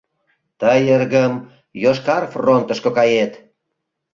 Тый, эргым, йошкар фронтышко кает.